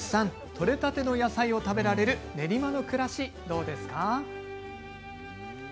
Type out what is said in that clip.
とれたての野菜を食べられる練馬の暮らし、どうですか？